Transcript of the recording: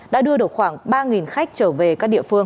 đã đưa được khoảng ba khách trở về các địa phương